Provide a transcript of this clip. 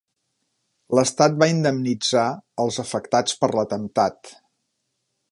L'estat va indemnitzar els afectats per l'atemptat.